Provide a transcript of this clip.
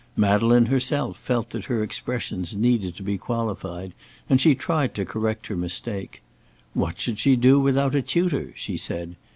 Madeleine herself felt that her expressions needed to be qualified, and she tried to correct her mistake. What should she do without a tutor? she said.